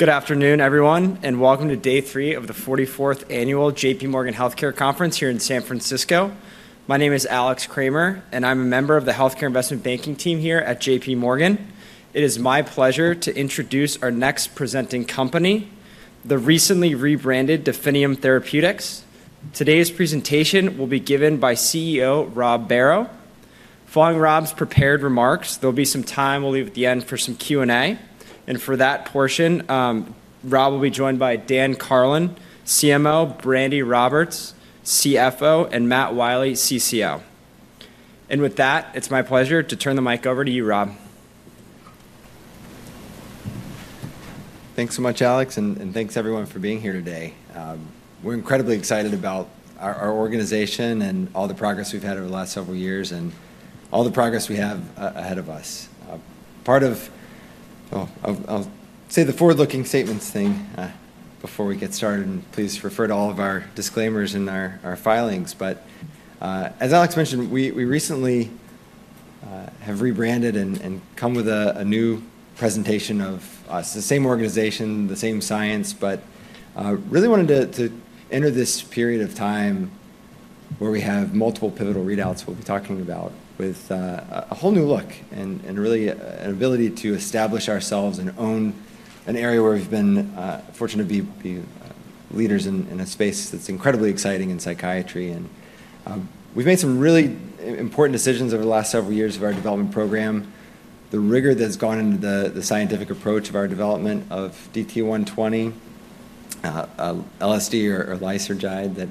Good afternoon, everyone, and welcome to day three of the 44th Annual J.P. Morgan Healthcare Conference here in San Francisco. My name is Alex Kramer, and I'm a member of the Investment Banking team here at J.P. Morgan. It is my pleasure to introduce our next presenting company, the recently rebranded Definium Therapeutics. Today's presentation will be given by CEO Rob Barrow. Following Rob's prepared remarks, there'll be some time we'll leave at the end for some Q&A. And for that portion, Rob will be joined by Dan Karlin, CMO, Brandi Roberts, CFO, and Matt Wiley, CCO. And with that, it's my pleasure to turn the mic over to you, Rob. Thanks so much, Alex, and thanks, everyone, for being here today. We're incredibly excited about our organization and all the progress we've had over the last several years and all the progress we have ahead of us. Part of, well, I'll say the forward-looking statements thing before we get started, and please refer to all of our disclaimers and our filings. But as Alex mentioned, we recently have rebranded and come with a new presentation of us, the same organization, the same science, but really wanted to enter this period of time where we have multiple pivotal readouts. We'll be talking about with a whole new look and really an ability to establish ourselves and own an area where we've been fortunate to be leaders in a space that's incredibly exciting in psychiatry. We've made some really important decisions over the last several years of our development program, the rigor that's gone into the scientific approach of our development of DT120, LSD, or lysergide that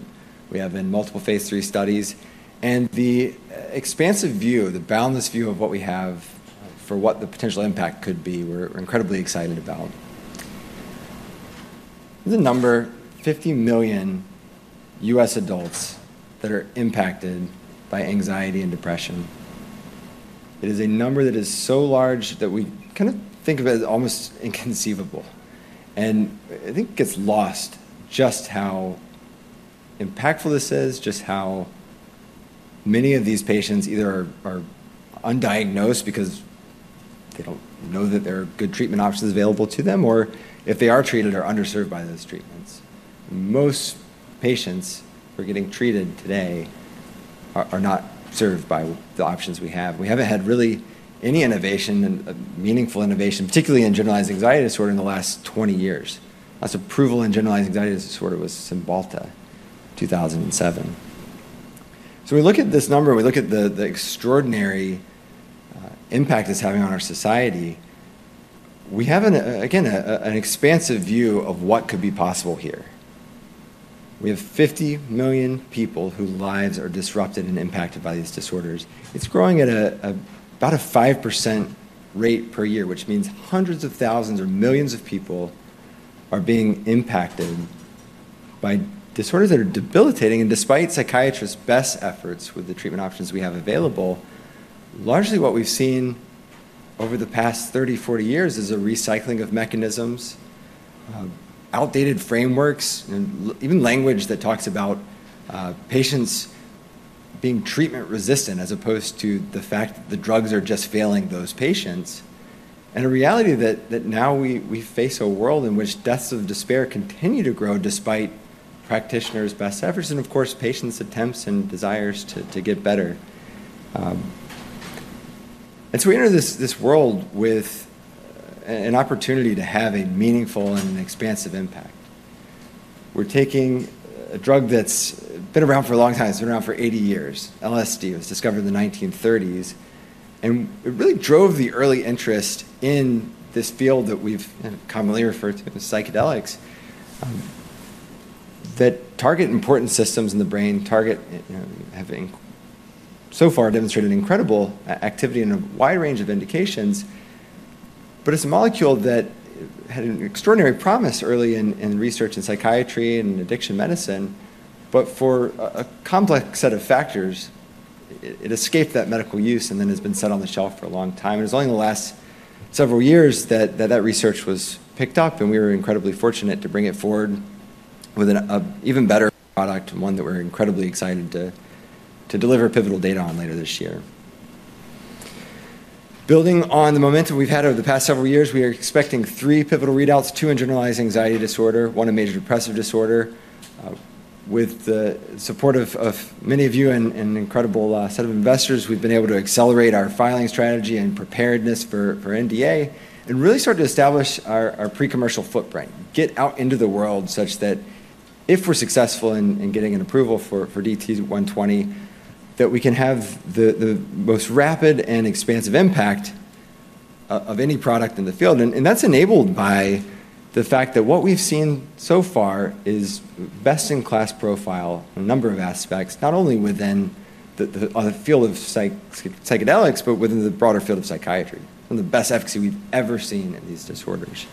we have in multiple phase III studies, and the expansive view, the boundless view of what we have for what the potential impact could be. We're incredibly excited about the number 50 million U.S. adults that are impacted by anxiety and depression. It is a number that is so large that we kind of think of it as almost inconceivable. I think it gets lost just how impactful this is, just how many of these patients either are undiagnosed because they don't know that there are good treatment options available to them, or if they are treated, are underserved by those treatments. Most patients who are getting treated today are not served by the options we have. We haven't had really any innovation and meaningful innovation, particularly in generalized anxiety disorder, in the last 20 years. Last approval in generalized anxiety disorder was Cymbalta in 2007, so we look at this number, and we look at the extraordinary impact it's having on our society. We have, again, an expansive view of what could be possible here. We have 50 million people whose lives are disrupted and impacted by these disorders. It's growing at about a 5% rate per year, which means hundreds of thousands or millions of people are being impacted by disorders that are debilitating. Despite psychiatrists' best efforts with the treatment options we have available, largely what we've seen over the past 30, 40 years is a recycling of mechanisms, outdated frameworks, and even language that talks about patients being treatment resistant as opposed to the fact that the drugs are just failing those patients, and a reality that now we face a world in which deaths of despair continue to grow despite practitioners' best efforts and, of course, patients' attempts and desires to get better. So we enter this world with an opportunity to have a meaningful and expansive impact. We're taking a drug that's been around for a long time. It's been around for 80 years. LSD was discovered in the 1930s. And it really drove the early interest in this field that we've commonly referred to as psychedelics that target important systems in the brain, have so far demonstrated incredible activity in a wide range of indications. But it's a molecule that had an extraordinary promise early in research in psychiatry and addiction medicine. But for a complex set of factors, it escaped that medical use and then has been set on the shelf for a long time. It was only in the last several years that that research was picked up, and we were incredibly fortunate to bring it forward with an even better product, one that we're incredibly excited to deliver pivotal data on later this year. Building on the momentum we've had over the past several years, we are expecting three pivotal readouts, two in generalized anxiety disorder, one in major depressive disorder. With the support of many of you and an incredible set of investors, we've been able to accelerate our filing strategy and preparedness for NDA and really start to establish our pre-commercial footprint, get out into the world such that if we're successful in getting an approval for DT120, that we can have the most rapid and expansive impact of any product in the field. And that's enabled by the fact that what we've seen so far is best-in-class profile in a number of aspects, not only within the field of psychedelics, but within the broader field of psychiatry. Some of the best efficacy we've ever seen in these disorders.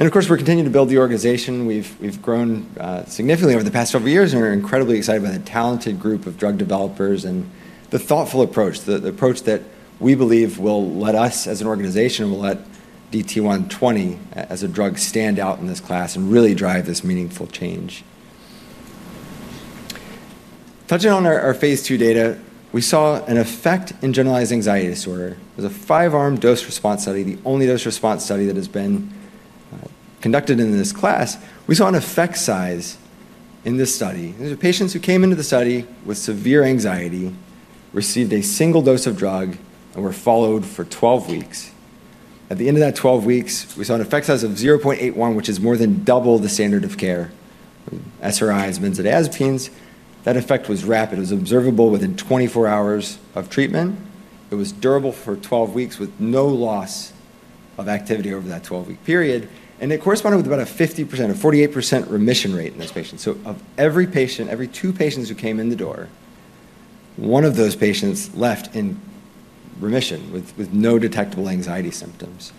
And of course, we're continuing to build the organization. We've grown significantly over the past several years, and we're incredibly excited by the talented group of drug developers and the thoughtful approach, the approach that we believe will let us as an organization and will let DT120 as a drug stand out in this class and really drive this meaningful change. Touching on our phase II data, we saw an effect in generalized anxiety disorder. It was a five-arm dose response study, the only dose response study that has been conducted in this class. We saw an effect size in this study. These were patients who came into the study with severe anxiety, received a single dose of drug, and were followed for 12 weeks. At the end of that 12 weeks, we saw an effect size of 0.81, which is more than double the standard of care SRIs, benzodiazepines. That effect was rapid. It was observable within 24 hours of treatment. It was durable for 12 weeks with no loss of activity over that 12-week period, and it corresponded with about a 50%, a 48% remission rate in those patients. So of every patient, every two patients who came in the door, one of those patients left in remission with no detectable anxiety symptoms,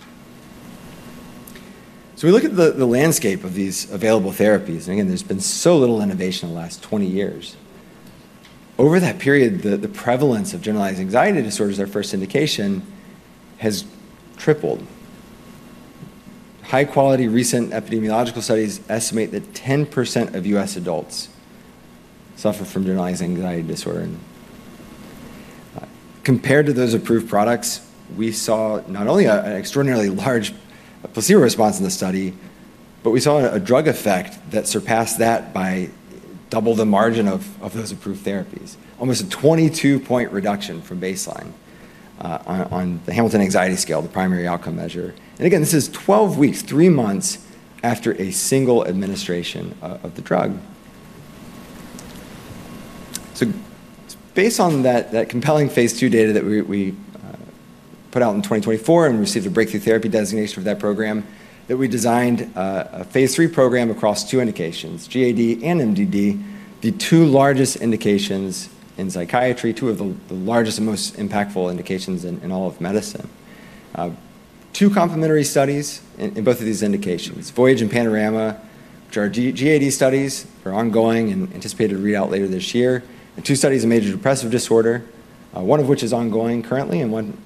so we look at the landscape of these available therapies, and again, there's been so little innovation in the last 20 years. Over that period, the prevalence of generalized anxiety disorders, our first indication, has tripled. High-quality recent epidemiological studies estimate that 10% of U.S. adults suffer from generalized anxiety disorder. Compared to those approved products, we saw not only an extraordinarily large placebo response in the study, but we saw a drug effect that surpassed that by double the margin of those approved therapies, almost a 22-point reduction from baseline on the Hamilton Anxiety Scale, the primary outcome measure, and again, this is 12 weeks, three months after a single administration of the drug, so based on that compelling phase II data that we put out in 2024 and received a breakthrough therapy designation for that program, we designed a phase III program across two indications, GAD and MDD, the two largest indications in psychiatry, two of the largest and most impactful indications in all of medicine. Two complementary studies in both of these indications, Voyage and Panorama, which are GAD studies, are ongoing and anticipated to read out later this year. And two studies in major depressive disorder, one of which is ongoing currently and one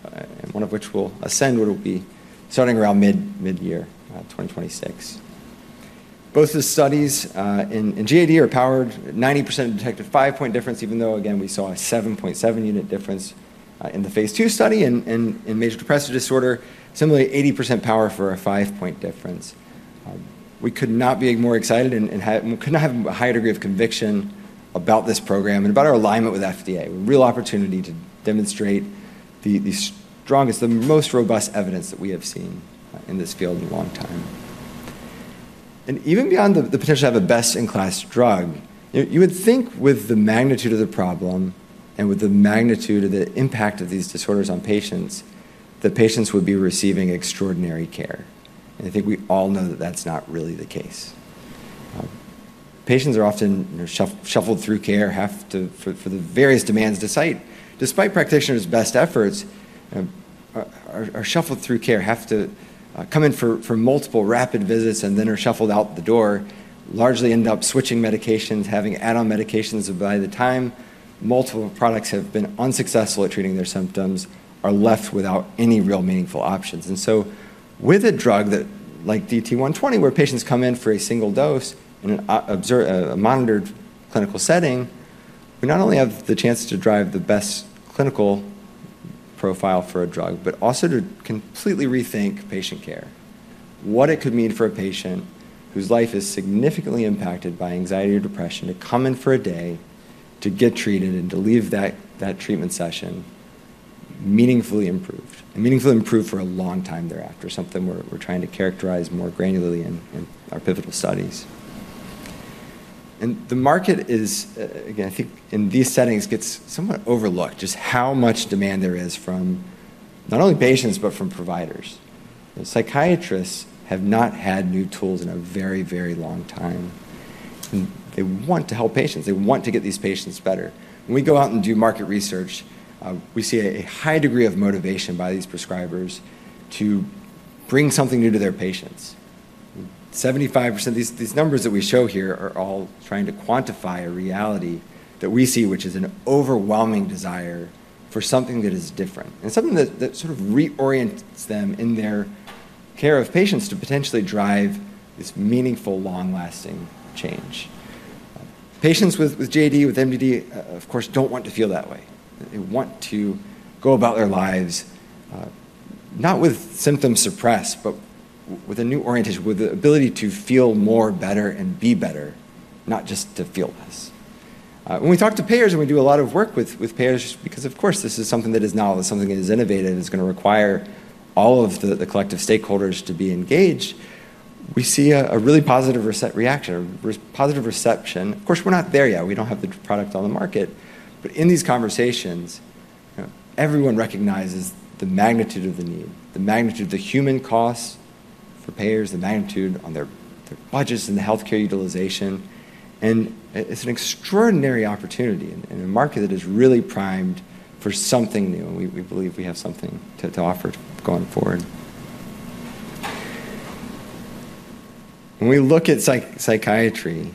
of which will Ascend, which will be starting around mid-year 2026. Both the studies in GAD are powered, 90% detected five-point difference, even though, again, we saw a 7.7 unit difference in the phase II study in major depressive disorder. Similarly, 80% power for a five-point difference. We could not be more excited and could not have a higher degree of conviction about this program and about our alignment with FDA. Real opportunity to demonstrate the strongest, the most robust evidence that we have seen in this field in a long time. And even beyond the potential to have a best-in-class drug, you would think with the magnitude of the problem and with the magnitude of the impact of these disorders on patients, that patients would be receiving extraordinary care. I think we all know that that's not really the case. Patients are often shuffled through care for the various demands of time. Despite practitioners' best efforts, come in for multiple rapid visits and then are shuffled out the door. Largely end up switching medications, having add-on medications by the time multiple products have been unsuccessful at treating their symptoms. Are left without any real meaningful options. With a drug like DT120, where patients come in for a single dose in a monitored clinical setting, we not only have the chance to drive the best clinical profile for a drug, but also to completely rethink patient care. What it could mean for a patient whose life is significantly impacted by anxiety or depression to come in for a day, to get treated, and to leave that treatment session meaningfully improved, meaningfully improved for a long time thereafter, something we're trying to characterize more granularly in our pivotal studies. And the market is, again, I think in these settings, gets somewhat overlooked just how much demand there is from not only patients, but from providers. Psychiatrists have not had new tools in a very, very long time. They want to help patients. They want to get these patients better. When we go out and do market research, we see a high degree of motivation by these prescribers to bring something new to their patients. 75%. These numbers that we show here are all trying to quantify a reality that we see, which is an overwhelming desire for something that is different and something that sort of reorients them in their care of patients to potentially drive this meaningful, long-lasting change. Patients with GAD, with MDD, of course, don't want to feel that way. They want to go about their lives, not with symptoms suppressed, but with a new orientation, with the ability to feel more, better, and be better, not just to feel less. When we talk to payers and we do a lot of work with payers, because of course, this is something that is now, something that is innovated, is going to require all of the collective stakeholders to be engaged, we see a really positive reaction, a positive reception. Of course, we're not there yet. We don't have the product on the market, but in these conversations, everyone recognizes the magnitude of the need, the magnitude of the human costs for payers, the magnitude on their budgets and the healthcare utilization, and it's an extraordinary opportunity in a market that is really primed for something new. We believe we have something to offer going forward. When we look at psychiatry,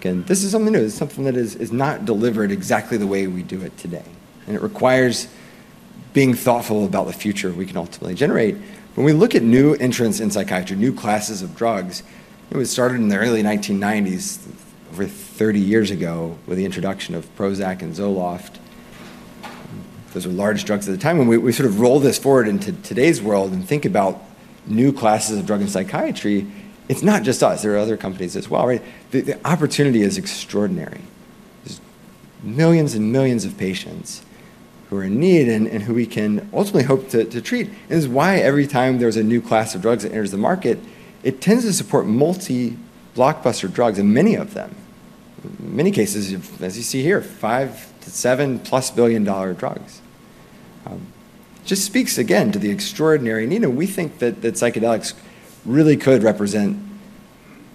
again, this is something new. It's something that is not delivered exactly the way we do it today, and it requires being thoughtful about the future we can ultimately generate. When we look at new entrants in psychiatry, new classes of drugs, it was started in the early 1990s, over 30 years ago, with the introduction of Prozac and Zoloft. Those were large drugs at the time. When we sort of roll this forward into today's world and think about new classes of drug in psychiatry, it's not just us. There are other companies as well. The opportunity is extraordinary. There's millions and millions of patients who are in need and who we can ultimately hope to treat. And this is why every time there's a new class of drugs that enters the market, it tends to support multi-blockbuster drugs and many of them, in many cases, as you see here, five to seven-plus billion-dollar drugs. Just speaks again to the extraordinary need. And we think that psychedelics really could represent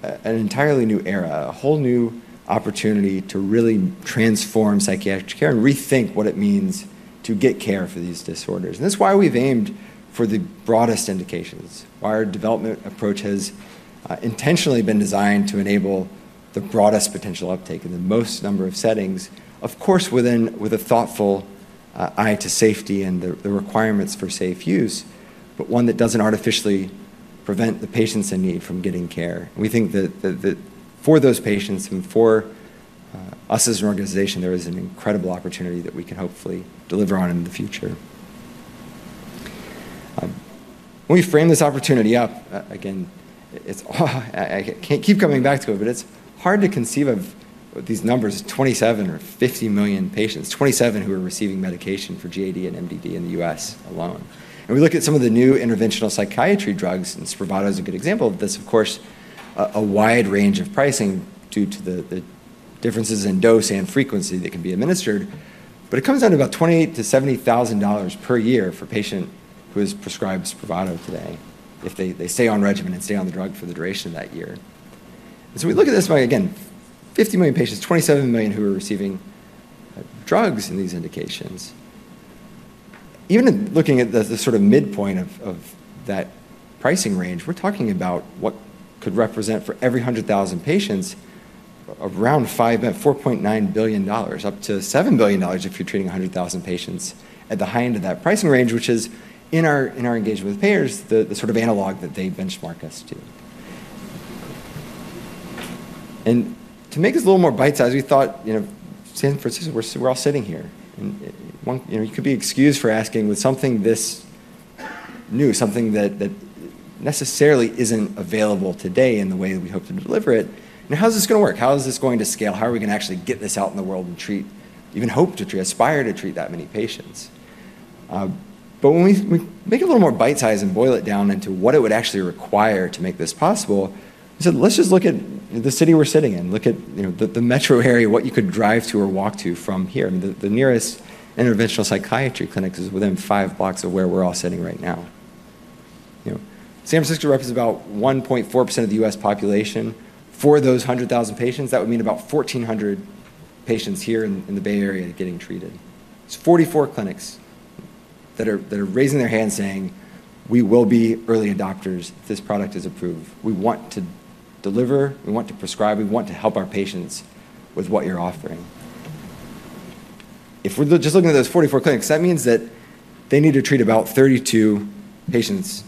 an entirely new era, a whole new opportunity to really transform psychiatric care and rethink what it means to get care for these disorders. And that's why we've aimed for the broadest indications, why our development approach has intentionally been designed to enable the broadest potential uptake in the most number of settings, of course, with a thoughtful eye to safety and the requirements for safe use, but one that doesn't artificially prevent the patients in need from getting care. We think that for those patients and for us as an organization, there is an incredible opportunity that we can hopefully deliver on in the future. When we frame this opportunity up, again, I can't keep coming back to it, but it's hard to conceive of these numbers, 27 or 50 million patients, 27 who are receiving medication for GAD and MDD in the U.S. alone. And we look at some of the new interventional psychiatry drugs, and Spravato is a good example of this. Of course, a wide range of pricing due to the differences in dose and frequency that can be administered. But it comes out at about $28,000-$70,000 per year for a patient who is prescribed Spravato today if they stay on regimen and stay on the drug for the duration of that year. And so we look at this by, again, 50 million patients, 27 million who are receiving drugs in these indications. Even looking at the sort of midpoint of that pricing range, we're talking about what could represent for every 100,000 patients around $4.9 billion, up to $7 billion if you're treating 100,000 patients at the high end of that pricing range, which is in our engagement with payers, the sort of analog that they benchmark us to. And to make this a little more bite-sized, we thought, San Francisco, we're all sitting here. You could be excused for asking, with something this new, something that necessarily isn't available today in the way that we hope to deliver it, how's this going to work? How is this going to scale? How are we going to actually get this out in the world and treat, even hope to treat, aspire to treat that many patients? But when we make it a little more bite-size and boil it down into what it would actually require to make this possible, we said, let's just look at the city we're sitting in, look at the metro area, what you could drive to or walk to from here. The nearest interventional psychiatry clinic is within five blocks of where we're all sitting right now. San Francisco represents about 1.4% of the U.S. population. For those 100,000 patients, that would mean about 1,400 patients here in the Bay Area getting treated. It's 44 clinics that are raising their hands saying, we will be early adopters if this product is approved. We want to deliver. We want to prescribe. We want to help our patients with what you're offering. If we're just looking at those 44 clinics, that means that they need to treat about 32 patients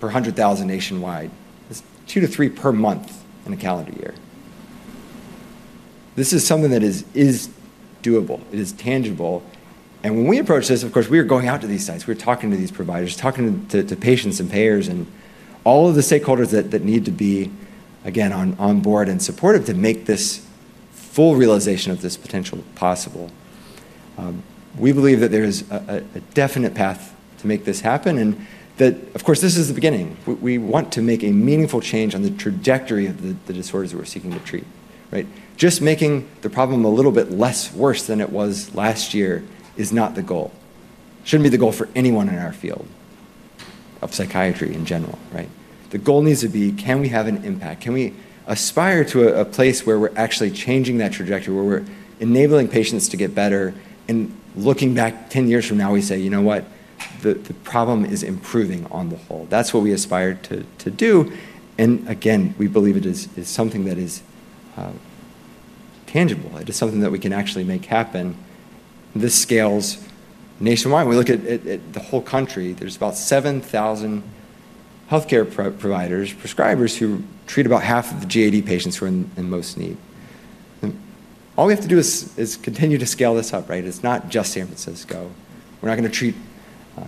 per 100,000 nationwide, two to three per month in a calendar year. This is something that is doable. It is tangible, and when we approach this, of course, we are going out to these sites. We're talking to these providers, talking to patients and payers and all of the stakeholders that need to be, again, on board and supportive to make this full realization of this potential possible. We believe that there is a definite path to make this happen and that, of course, this is the beginning. We want to make a meaningful change on the trajectory of the disorders we're seeking to treat. Just making the problem a little bit less worse than it was last year is not the goal. Shouldn't be the goal for anyone in our field of psychiatry in general. The goal needs to be, can we have an impact? Can we aspire to a place where we're actually changing that trajectory, where we're enabling patients to get better? and looking back 10 years from now, we say, you know what? The problem is improving on the whole. That's what we aspire to do. and again, we believe it is something that is tangible. It is something that we can actually make happen. This scales nationwide. When we look at the whole country, there's about 7,000 healthcare providers, prescribers who treat about half of the GAD patients who are in most need. All we have to do is continue to scale this up. It's not just San Francisco.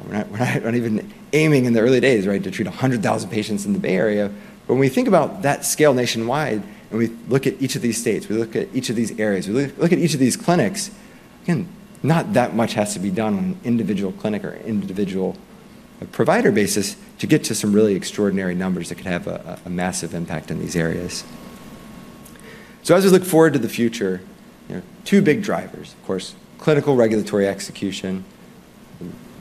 We're not even aiming in the early days to treat 100,000 patients in the Bay Area. But when we think about that scale nationwide and we look at each of these states, we look at each of these areas, we look at each of these clinics, again, not that much has to be done on an individual clinic or individual provider basis to get to some really extraordinary numbers that could have a massive impact in these areas. So as we look forward to the future, two big drivers, of course, clinical regulatory execution.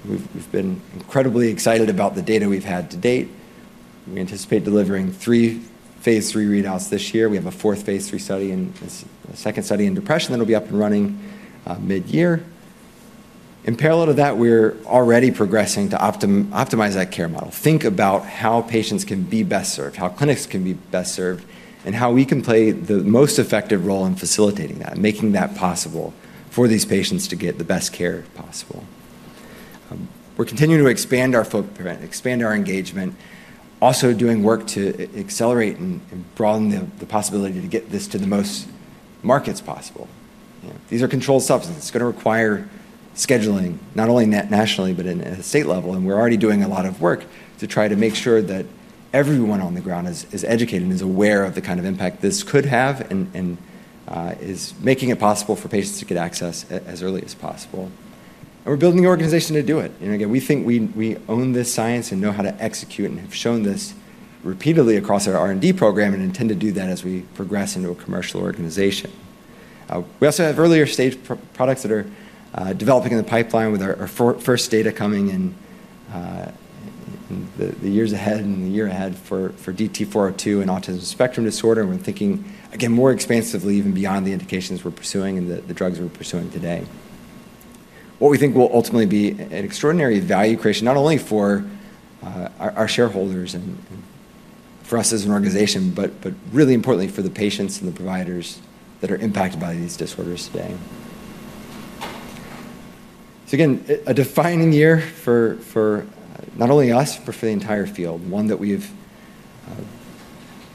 We've been incredibly excited about the data we've had to date. We anticipate delivering three phase III readouts this year. We have a fourth phase III study and a second study in depression that'll be up and running mid-year. In parallel to that, we're already progressing to optimize that care model. Think about how patients can be best served, how clinics can be best served, and how we can play the most effective role in facilitating that, making that possible for these patients to get the best care possible. We're continuing to expand our focus, expand our engagement, also doing work to accelerate and broaden the possibility to get this to the most markets possible. These are controlled substances. It's going to require scheduling not only nationally, but at a state level. And we're already doing a lot of work to try to make sure that everyone on the ground is educated and is aware of the kind of impact this could have and is making it possible for patients to get access as early as possible. And we're building the organization to do it. Again, we think we own this science and know how to execute and have shown this repeatedly across our R&D program and intend to do that as we progress into a commercial organization. We also have earlier stage products that are developing in the pipeline with our first data coming in the years ahead and the year ahead for DT402 and autism spectrum disorder. And we're thinking, again, more expansively, even beyond the indications we're pursuing and the drugs we're pursuing today. What we think will ultimately be an extraordinary value creation, not only for our shareholders and for us as an organization, but really importantly for the patients and the providers that are impacted by these disorders today so again, a defining year for not only us, but for the entire field, one that we have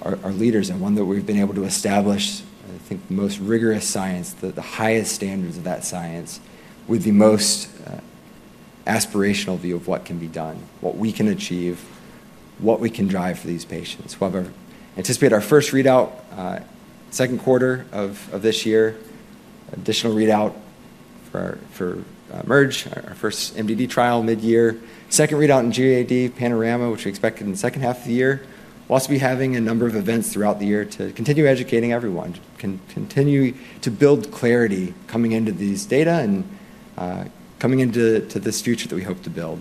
our leaders and one that we've been able to establish, I think, the most rigorous science, the highest standards of that science with the most aspirational view of what can be done, what we can achieve, what we can drive for these patients. We anticipate our first readout second quarter of this year, additional readout for EMERGE, our first MDD trial mid-year, second readout in GAD Panorama, which we expected in the second half of the year. We'll also be having a number of events throughout the year to continue educating everyone, continue to build clarity coming into these data and coming into this future that we hope to build.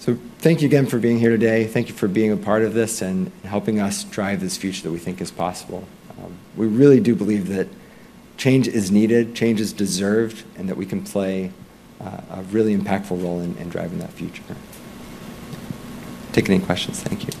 So thank you again for being here today. Thank you for being a part of this and helping us drive this future that we think is possible. We really do believe that change is needed, change is deserved, and that we can play a really impactful role in driving that future. Take any questions? Thank you.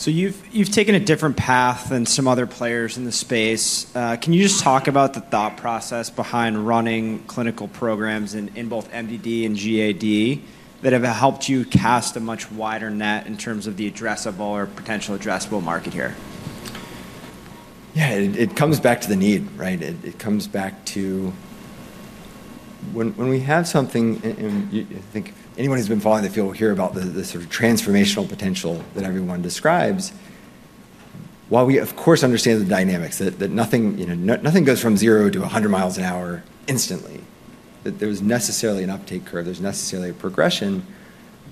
So you've taken a different path than some other players in the space. Can you just talk about the thought process behind running clinical programs in both MDD and GAD that have helped you cast a much wider net in terms of the addressable or potential addressable market here? Yeah, it comes back to the need. It comes back to when we have something, and I think anyone who's been following the field will hear about the sort of transformational potential that everyone describes. While we, of course, understand the dynamics, that nothing goes from zero to 100 miles an hour instantly, that there was necessarily an uptake curve, there's necessarily a progression,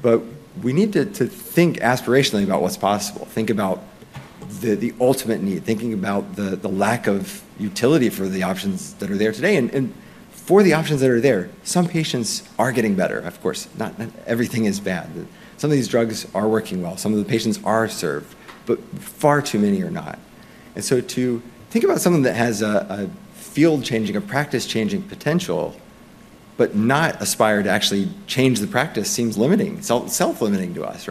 but we need to think aspirationally about what's possible, think about the ultimate need, thinking about the lack of utility for the options that are there today, and for the options that are there, some patients are getting better. Of course, not everything is bad. Some of these drugs are working well. Some of the patients are served, but far too many are not. And so to think about something that has a field-changing, a practice-changing potential, but not aspire to actually change the practice seems limiting, self-limiting to us.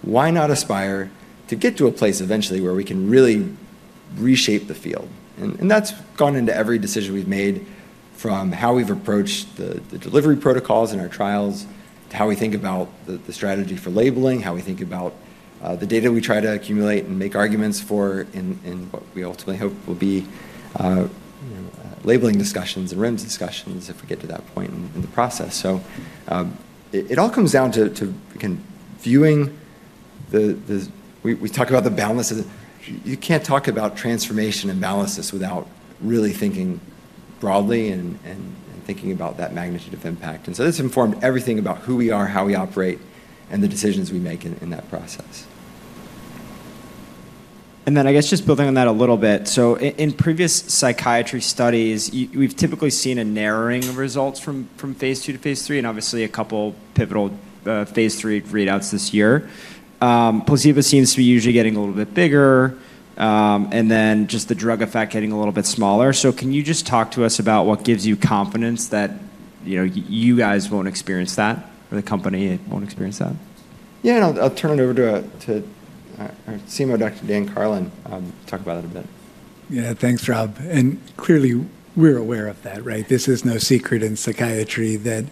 Why not aspire to get to a place eventually where we can really reshape the field? And that's gone into every decision we've made from how we've approached the delivery protocols in our trials to how we think about the strategy for labeling, how we think about the data we try to accumulate and make arguments for in what we ultimately hope will be labeling discussions and REMS discussions if we get to that point in the process. So it all comes down to viewing the way we talk about the balance. You can't talk about transformation and balance without really thinking broadly and thinking about that magnitude of impact. This informed everything about who we are, how we operate, and the decisions we make in that process. And then I guess just building on that a little bit. So in previous psychiatry studies, we've typically seen a narrowing of results from phase II-phase III and obviously a couple pivotal phase III readouts this year. Placebo seems to be usually getting a little bit bigger and then just the drug effect getting a little bit smaller. So can you just talk to us about what gives you confidence that you guys won't experience that or the company won't experience that? Yeah, and I'll turn it over to our CMO, Dr. Dan Karlin, to talk about it a bit. Yeah, thanks, Rob. And clearly, we're aware of that. This is no secret in psychiatry that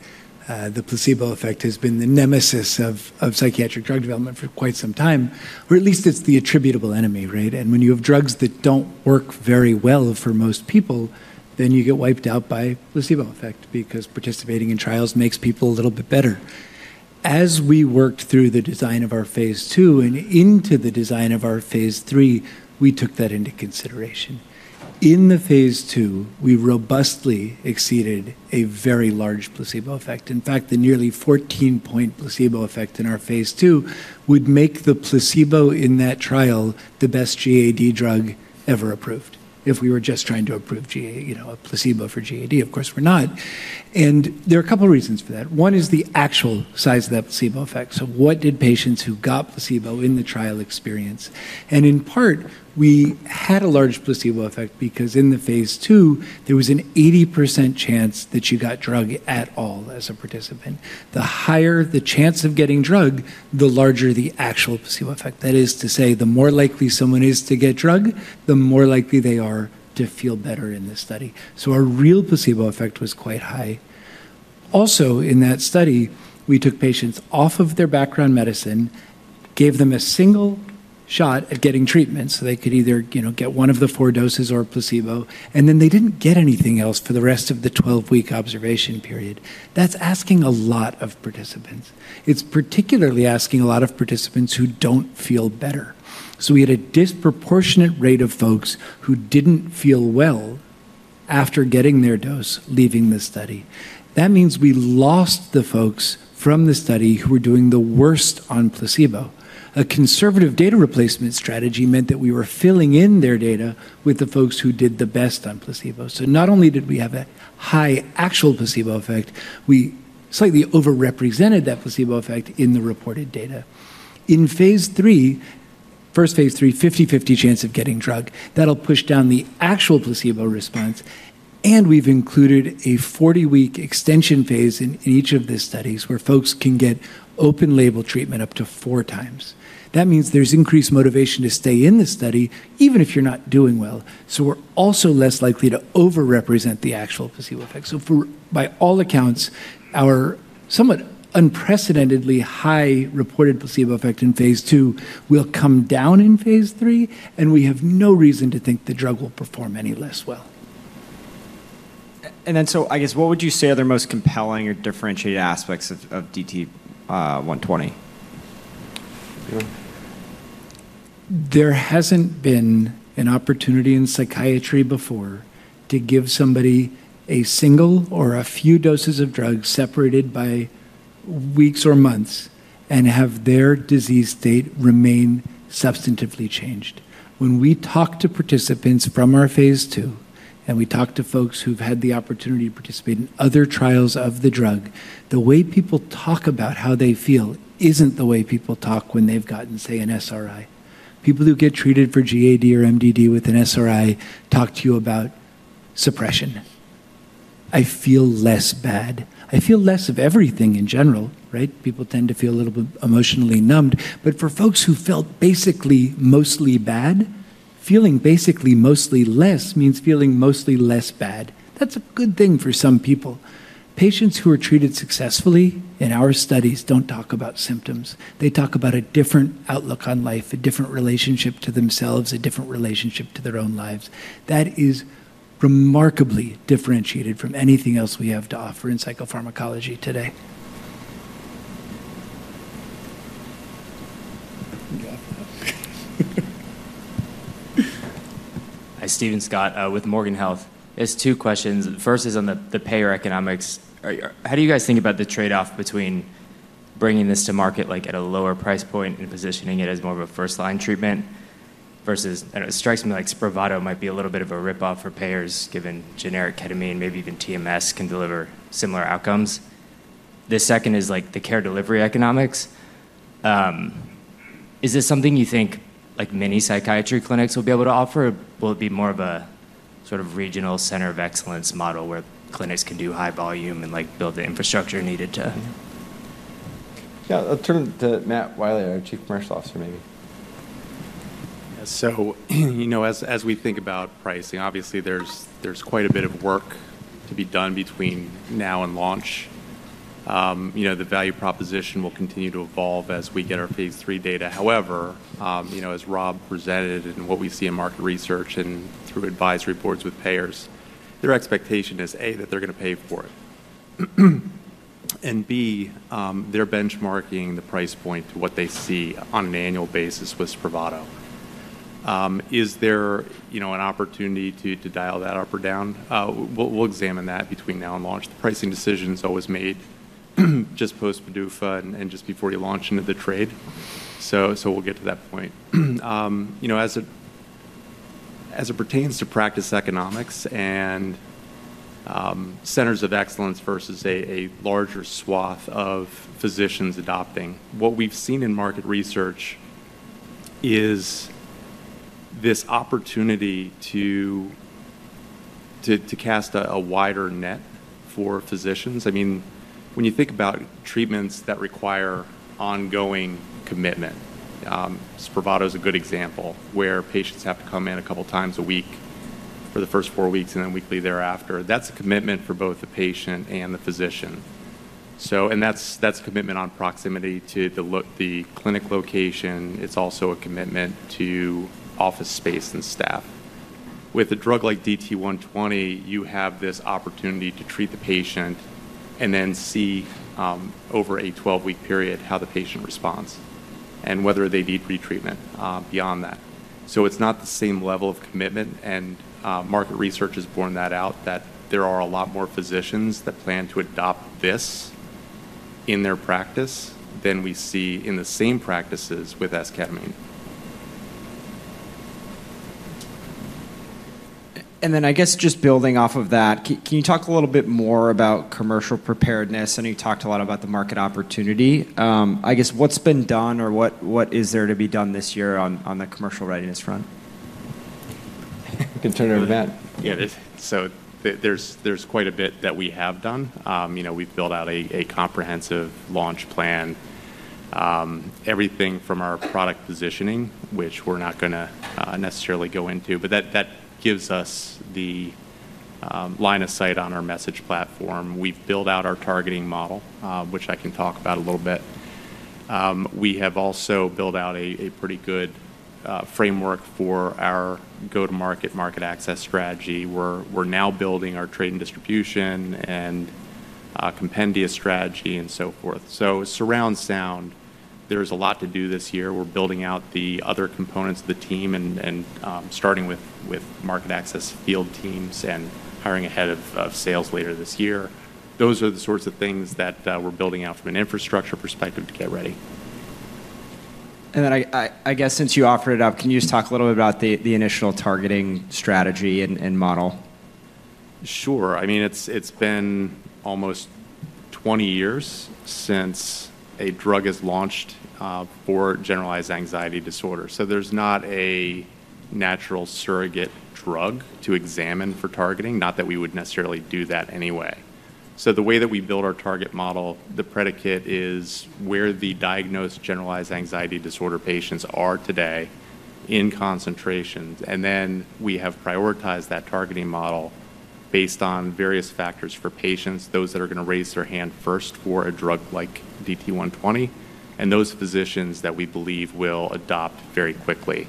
the placebo effect has been the nemesis of psychiatric drug development for quite some time, or at least it's the attributable enemy. And when you have drugs that don't work very well for most people, then you get wiped out by placebo effect because participating in trials makes people a little bit better. As we worked through the design of our phase II and into the design of our phase III, we took that into consideration. In the phase II, we robustly exceeded a very large placebo effect. In fact, the nearly 14-point placebo effect in our phase II would make the placebo in that trial the best GAD drug ever approved if we were just trying to approve a placebo for GAD. Of course, we're not. And there are a couple of reasons for that. One is the actual size of that placebo effect. So what did patients who got placebo in the trial experience? And in part, we had a large placebo effect because in the phase II, there was an 80% chance that you got drug at all as a participant. The higher the chance of getting drug, the larger the actual placebo effect. That is to say, the more likely someone is to get drug, the more likely they are to feel better in this study. So our real placebo effect was quite high. Also, in that study, we took patients off of their background medicine, gave them a single shot at getting treatment so they could either get one of the four doses or a placebo, and then they didn't get anything else for the rest of the 12-week observation period. That's asking a lot of participants. It's particularly asking a lot of participants who don't feel better. So we had a disproportionate rate of folks who didn't feel well after getting their dose, leaving the study. That means we lost the folks from the study who were doing the worst on placebo. A conservative data replacement strategy meant that we were filling in their data with the folks who did the best on placebo. So not only did we have a high actual placebo effect, we slightly overrepresented that placebo effect in the reported data. In phase III, first phase III, 50/50 chance of getting drug, that'll push down the actual placebo response. And we've included a 40-week extension phase in each of the studies where folks can get open label treatment up to four times. That means there's increased motivation to stay in the study even if you're not doing well. So we're also less likely to overrepresent the actual placebo effect. So by all accounts, our somewhat unprecedentedly high reported placebo effect in phase II will come down in phase III, and we have no reason to think the drug will perform any less well. I guess, what would you say are the most compelling or differentiated aspects of DT120? There hasn't been an opportunity in psychiatry before to give somebody a single or a few doses of drug separated by weeks or months and have their disease state remain substantively changed. When we talk to participants from our phase II and we talk to folks who've had the opportunity to participate in other trials of the drug, the way people talk about how they feel isn't the way people talk when they've gotten, say, an SRI. People who get treated for GAD or MDD with an SRI talk to you about suppression. I feel less bad. I feel less of everything in general. People tend to feel a little bit emotionally numbed. But for folks who felt basically mostly bad, feeling basically mostly less means feeling mostly less bad. That's a good thing for some people. Patients who are treated successfully in our studies don't talk about symptoms. They talk about a different outlook on life, a different relationship to themselves, a different relationship to their own lives. That is remarkably differentiated from anything else we have to offer in psychopharmacology today. Hi, Stephen Scott with Morgan Health. There's two questions. The first is on the payer economics. How do you guys think about the trade-off between bringing this to market at a lower price point and positioning it as more of a first-line treatment versus, it strikes me, like Spravato might be a little bit of a rip-off for payers given generic ketamine, maybe even TMS can deliver similar outcomes. The second is the care delivery economics. Is this something you think many psychiatry clinics will be able to offer? Will it be more of a sort of regional center of excellence model where clinics can do high volume and build the infrastructure needed to? Yeah, I'll turn to Matt Wiley, our Chief Commercial Officer, maybe. So as we think about pricing, obviously, there's quite a bit of work to be done between now and launch. The value proposition will continue to evolve as we get our phase III data. However, as Rob presented and what we see in market research and through advisory reports with payers, their expectation is, A, that they're going to pay for it, and B, they're benchmarking the price point to what they see on an annual basis with Spravato. Is there an opportunity to dial that up or down? We'll examine that between now and launch. The pricing decisions always made just post-PDUFA and just before you launch into the trade. So we'll get to that point. As it pertains to practice economics and centers of excellence versus a larger swath of physicians adopting, what we've seen in market research is this opportunity to cast a wider net for physicians. I mean, when you think about treatments that require ongoing commitment, Spravato is a good example where patients have to come in a couple of times a week for the first four weeks and then weekly thereafter. That's a commitment for both the patient and the physician. And that's a commitment on proximity to the clinic location. It's also a commitment to office space and staff. With a drug like DT120, you have this opportunity to treat the patient and then see over a 12-week period how the patient responds and whether they need pretreatment beyond that. So it's not the same level of commitment. And market research has borne that out, that there are a lot more physicians that plan to adopt this in their practice than we see in the same practices with esketamine. And then I guess just building off of that, can you talk a little bit more about commercial preparedness? I know you talked a lot about the market opportunity. I guess what's been done or what is there to be done this year on the commercial readiness front? I can turn it over to Matt. Yeah, so there's quite a bit that we have done. We've built out a comprehensive launch plan. Everything from our product positioning, which we're not going to necessarily go into, but that gives us the line of sight on our message platform. We've built out our targeting model, which I can talk about a little bit. We have also built out a pretty good framework for our go-to-market market access strategy. We're now building our trade and distribution and compendia strategy and so forth. So surround sound, there's a lot to do this year. We're building out the other components of the team and starting with market access field teams and hiring ahead of sales later this year. Those are the sorts of things that we're building out from an infrastructure perspective to get ready. And then I guess since you offered it up, can you just talk a little bit about the initial targeting strategy and model? Sure. I mean, it's been almost 20 years since a drug is launched for generalized anxiety disorder. So there's not a natural surrogate drug to examine for targeting, not that we would necessarily do that anyway. So the way that we build our target model, the predicate is where the diagnosed generalized anxiety disorder patients are today in concentrations. And then we have prioritized that targeting model based on various factors for patients, those that are going to raise their hand first for a drug like DT120, and those physicians that we believe will adopt very quickly.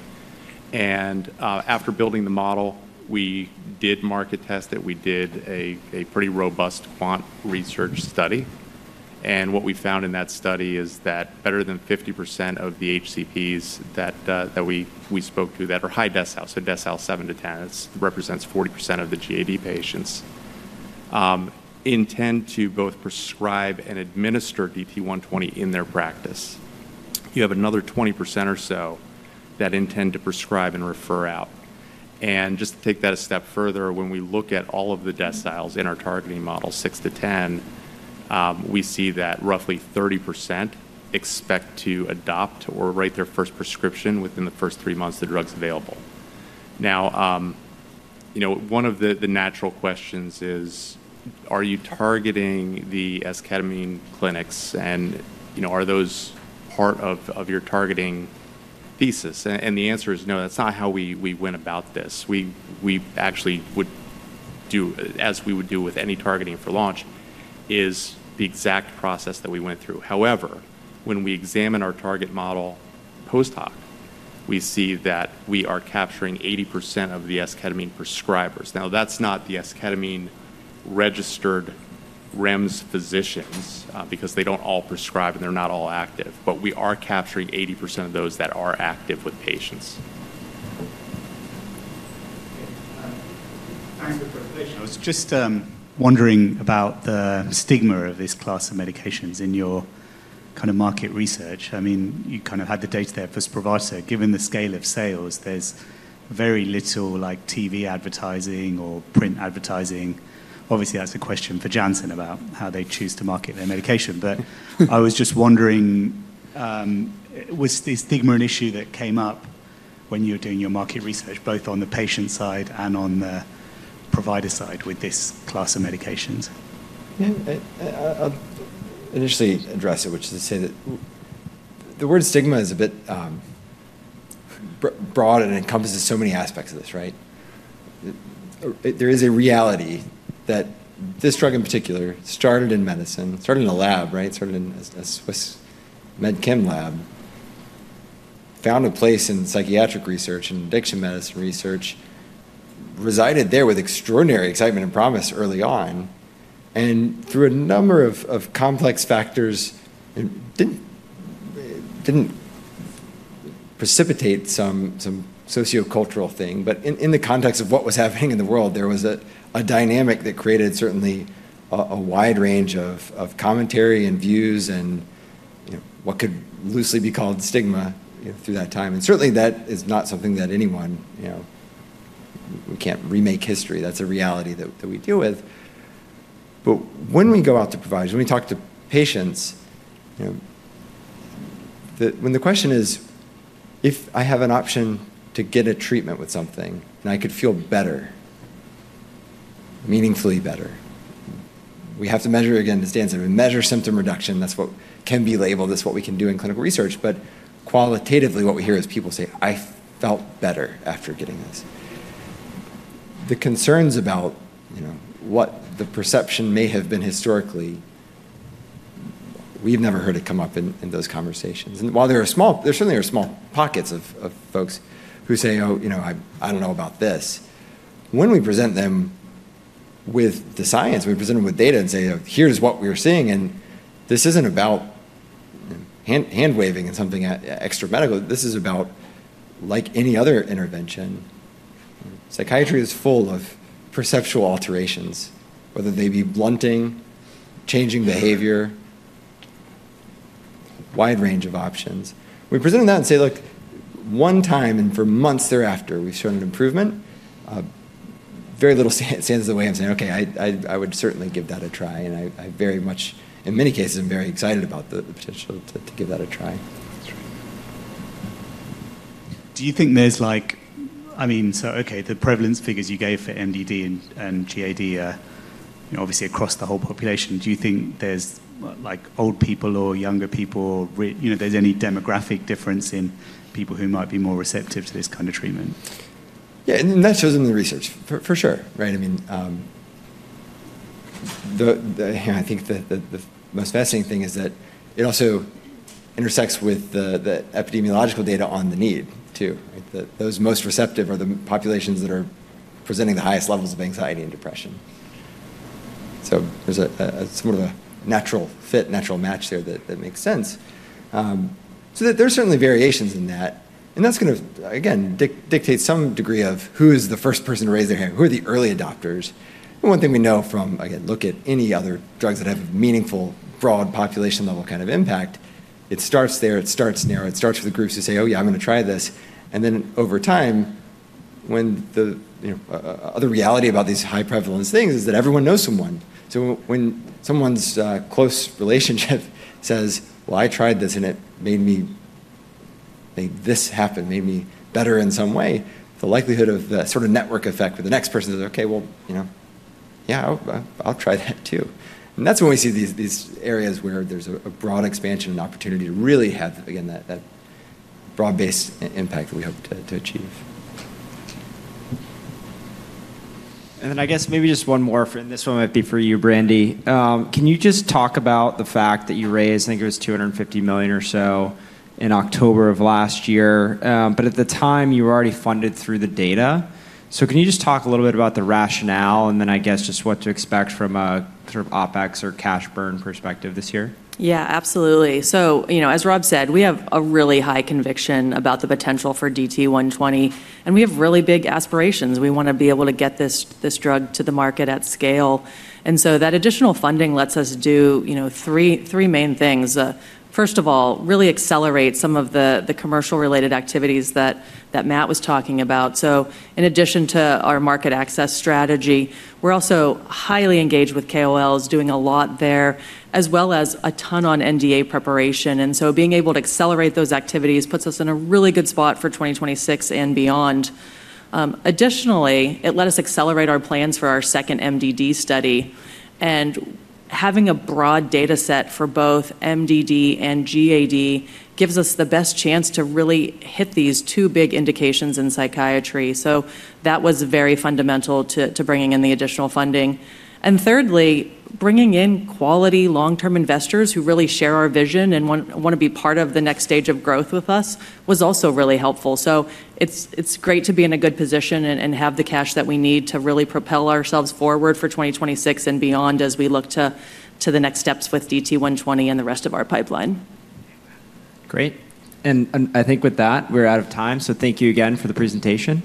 And after building the model, we did market test it. We did a pretty robust quant research study. And what we found in that study is that better than 50% of the HCPs that we spoke to that are high decile, so decile 7-10, it represents 40% of the GAD patients intend to both prescribe and administer DT120 in their practice. You have another 20% or so that intend to prescribe and refer out. And just to take that a step further, when we look at all of the deciles in our targeting model, 6-10, we see that roughly 30% expect to adopt or write their first prescription within the first three months the drug's available. Now, one of the natural questions is, are you targeting the esketamine clinics and are those part of your targeting thesis? And the answer is no, that's not how we went about this. We actually would do, as we would do with any targeting for launch, is the exact process that we went through. However, when we examine our target model post hoc, we see that we are capturing 80% of the esketamine prescribers. Now, that's not the esketamine-registered REMS physicians because they don't all prescribe and they're not all active, but we are capturing 80% of those that are active with patients. Thanks for the presentation. I was just wondering about the stigma of this class of medications in your kind of market research. I mean, you kind of had the data there for Spravato. Given the scale of sales, there's very little TV advertising or print advertising. Obviously, that's a question for Janssen about how they choose to market their medication. But I was just wondering, was the stigma an issue that came up when you were doing your market research, both on the patient side and on the provider side with this class of medications? Yeah, I'll initially address it, which is to say that the word stigma is a bit broad and encompasses so many aspects of this, right? There is a reality that this drug in particular started in medicine, started in a lab, right, started in a Swiss Med Chem lab, found a place in psychiatric research and addiction medicine research, resided there with extraordinary excitement and promise early on, and through a number of complex factors didn't precipitate some sociocultural thing. But in the context of what was happening in the world, there was a dynamic that created certainly a wide range of commentary and views and what could loosely be called stigma through that time. And certainly, that is not something that we can't remake history. That's a reality that we deal with. But when we go out to providers, when we talk to patients, when the question is, if I have an option to get a treatment with something and I could feel better, meaningfully better, we have to measure again this dance. We measure symptom reduction. That's what can be labeled. That's what we can do in clinical research. But qualitatively, what we hear is people say, "I felt better after getting this." The concerns about what the perception may have been historically, we've never heard it come up in those conversations. And while there certainly are small pockets of folks who say, "Oh, I don't know about this." When we present them with the science, we present them with data and say, "Here's what we're seeing." And this isn't about hand waving and something extra medical. This is about, like any other intervention. Psychiatry is full of perceptual alterations, whether they be blunting, changing behavior, wide range of options. We presented that and say, "Look, one time and for months thereafter, we've shown an improvement." Very little stands in the way of saying, "Okay, I would certainly give that a try," and I very much, in many cases, I'm very excited about the potential to give that a try. Do you think there's like, I mean, so okay, the prevalence figures you gave for MDD and GAD are obviously across the whole population. Do you think there's old people or younger people? There's any demographic difference in people who might be more receptive to this kind of treatment? Yeah, and that shows in the research, for sure, right? I mean, I think the most fascinating thing is that it also intersects with the epidemiological data on the need too. Those most receptive are the populations that are presenting the highest levels of anxiety and depression. So there's somewhat of a natural fit, natural match there that makes sense. So there's certainly variations in that. And that's going to, again, dictate some degree of who is the first person to raise their hand, who are the early adopters. And one thing we know from, again, look at any other drugs that have a meaningful broad population-level kind of impact, it starts there. It starts narrow. It starts with the groups who say, "Oh, yeah, I'm going to try this." And then over time, when the other reality about these high prevalence things is that everyone knows someone. So when someone's close relationship says, "Well, I tried this and it made this happen, made me better in some way," the likelihood of the sort of network effect for the next person is, "Okay, well, yeah, I'll try that too." And that's when we see these areas where there's a broad expansion and opportunity to really have, again, that broad-based impact that we hope to achieve. And then I guess maybe just one more, and this one might be for you, Brandi. Can you just talk about the fact that you raised, I think it was $250 million or so in October of last year, but at the time you were already funded through the data? So can you just talk a little bit about the rationale and then I guess just what to expect from a sort of OpEx or cash burn perspective this year? Yeah, absolutely. So as Rob said, we have a really high conviction about the potential for DT120, and we have really big aspirations. We want to be able to get this drug to the market at scale. And so that additional funding lets us do three main things. First of all, really accelerate some of the commercial-related activities that Matt was talking about. So in addition to our market access strategy, we're also highly engaged with KOLs, doing a lot there, as well as a ton on NDA preparation. And so being able to accelerate those activities puts us in a really good spot for 2026 and beyond. Additionally, it let us accelerate our plans for our second MDD study. And having a broad data set for both MDD and GAD gives us the best chance to really hit these two big indications in psychiatry. So that was very fundamental to bringing in the additional funding. And thirdly, bringing in quality long-term investors who really share our vision and want to be part of the next stage of growth with us was also really helpful. So it's great to be in a good position and have the cash that we need to really propel ourselves forward for 2026 and beyond as we look to the next steps with DT120 and the rest of our pipeline. Great. And I think with that, we're out of time. So thank you again for the presentation.